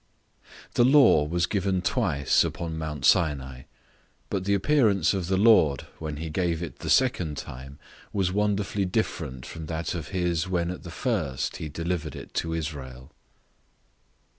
THE law was given twice upon Mount Sinai, but the appearance of the Lord, when he gave it the second time, was wonderfully different from that of his, when at the first he delivered it to Israel.